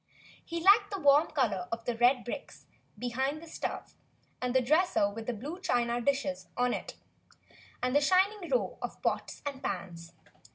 He liked the w^rm color of the red bricks behind the stove, and the dresser with the blue china dishes on it, and the shining row of pots and pans.